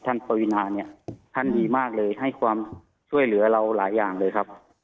ปวินาเนี่ยท่านดีมากเลยให้ความช่วยเหลือเราหลายอย่างเลยครับ